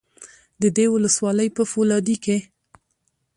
د دې ولسوالۍ په فولادي کې